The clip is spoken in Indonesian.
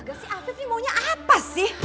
astaga si afif ini maunya apa sih